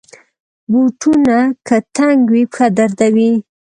بوټونه که تنګ وي، پښه دردوي.